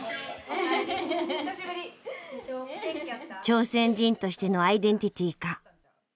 朝鮮人としてのアイデンティティーか。